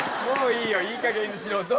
もういいよいいかげんにしろ。